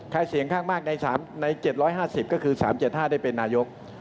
เสียงข้างมากใน๗๕๐ก็คือ๓๗๕ได้เป็นนายก